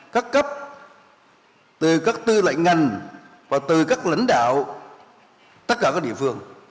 các cấp từ các tư lệnh ngành và từ các lãnh đạo tất cả các địa phương